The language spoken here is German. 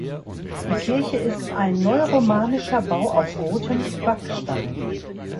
Die Kirche ist ein neuromanischer Bau aus rotem Backstein.